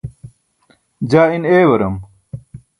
jaa in eewaram